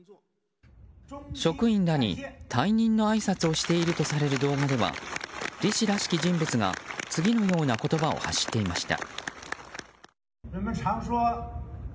職員らに退任のあいさつをしているとされる動画では李氏らしき自分が次のような言葉を発していました。